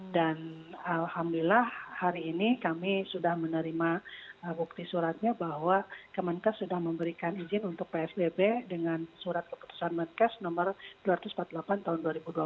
dan alhamdulillah hari ini kami sudah menerima bukti suratnya bahwa kemenkes sudah memberikan izin untuk psbb dengan surat keputusan kemenkes nomor dua ratus empat puluh delapan tahun dua ribu dua puluh